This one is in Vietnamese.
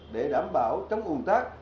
để đảm bảo chống ủn tắc